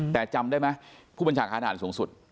แต่จำได้ไหมผู้บัญชาการฐานสูงสุด